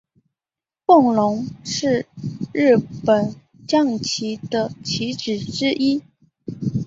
风龙是日本将棋的棋子之一。